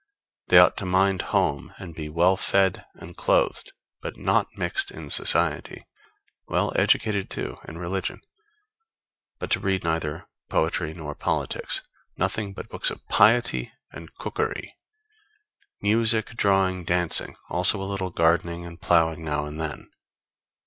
They ought to mind home and be well fed and clothed but not mixed in society. Well educated, too, in religion but to read neither poetry nor politics nothing but books of piety and cookery. Music drawing dancing also a little gardening and ploughing now and then.